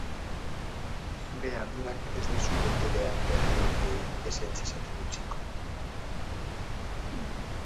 Zure ardurak ez dizu betebehar berri horiei ezetz esaten utziko.